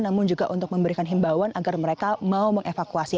namun juga untuk memberikan himbauan agar mereka mau mengevakuasi